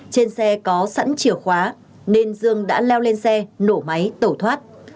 trên xe có sẵn chìa khóa nên dương đã leo lên xe nổ máy tẩu thoát